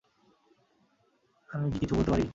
আমি কী কিছু বলতে পারি?